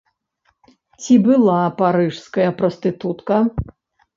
Ці была парыжская прастытутка?